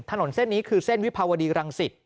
ถนนเส้นนี้คือเส้นวิภาวดีรังสิต